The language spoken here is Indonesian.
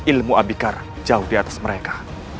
ilmu abykara jauh diatas mereka